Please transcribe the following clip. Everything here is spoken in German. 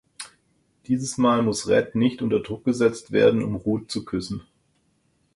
Dieses Mal muss Red nicht unter Druck gesetzt werden um Ruth zu küssen.